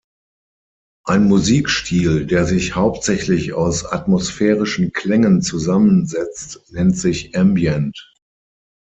Ein Musikstil, der sich hauptsächlich aus atmosphärischen Klängen zusammensetzt, nennt sich Ambient.